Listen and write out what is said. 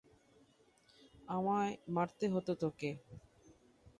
আমায় মারতে হতো তোকে!